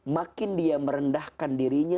makin dia merendahkan dirinya